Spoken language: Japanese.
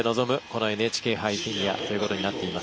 このＮＨＫ杯フィギュア。